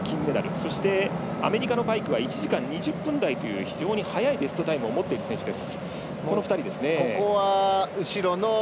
そして、アメリカのパイクは１時間２０分台という非常に速いベストタイムを持っている選手です。